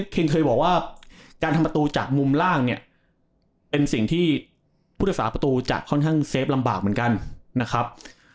เคนเคยบอกว่าการทำประตูจากมุมล่างเนี่ยเป็นสิ่งที่ผู้รักษาประตูจะค่อนข้างเซฟลำบากเหมือนกันนะครับ